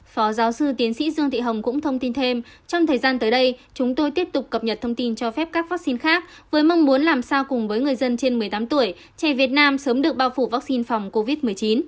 phó giáo sư tiến sĩ dương thị hồng cũng thông tin thêm trong thời gian tới đây chúng tôi tiếp tục cập nhật thông tin cho phép các vaccine khác với mong muốn làm sao cùng với người dân trên một mươi tám tuổi trẻ việt nam sớm được bao phủ vaccine phòng covid một mươi chín